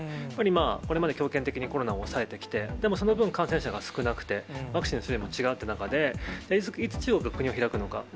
やっぱり今、これまで強権的にコロナを抑えてきて、でもその分、感染者が少なくて、ワクチンの種類も違うという中で、いつ中国が国を開くのか。